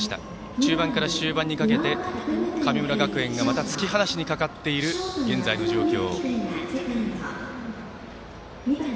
中盤から終盤にかけて神村学園がまた突き放しにかかっている現在の状況。